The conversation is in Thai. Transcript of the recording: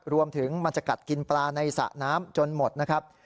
มันจะกัดกินปลาในสระน้ำจนหมดนะครับ